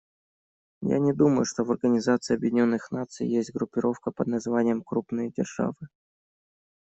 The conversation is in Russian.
Я не думаю, что в Организации Объединенных Наций есть группировка под названием "крупные державы".